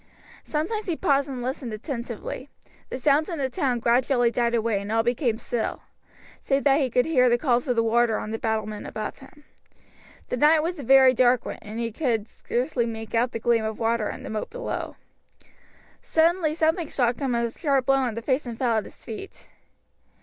Sometimes he paused and listened attentively. The sounds in the town gradually died away and all became still, save that he could hear the calls of the warder on the battlement above him. The night was a very dark one and he could scarcely make out the gleam of water in the moat below. Suddenly something struck him a sharp blow on the face and fell at his feet.